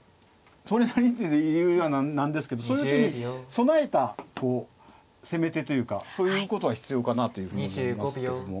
それなりにっていうのもなんですけどそういう手に備えた攻め手というかそういうことは必要かなというふうに思いますけども。